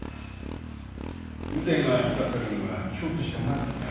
腕が生かせるんは京都しかなかった。